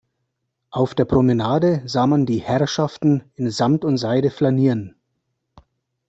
Auf der Promenade sah man die Herrschaften in Samt und Seide flanieren.